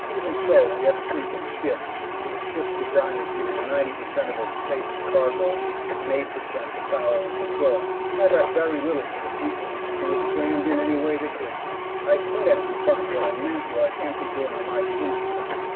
Even so, we had to sleep in shifts, with the ship's designers giving ninety per cent of her space to cargo, and eight per cent to power and control. That left very little for the people, who were crammed in any way they could be. I said empty bunk. What I meant was, empty during my sleep shift.